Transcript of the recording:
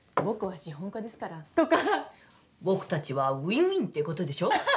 「僕は資本家ですから」とか「僕達はウィンウィンってことでしょう？」